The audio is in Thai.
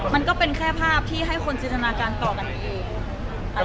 มันก็เป็นแค่ภาพที่ให้คนจินตนาการต่อกันนี้เอง